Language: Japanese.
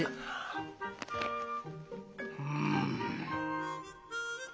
うん。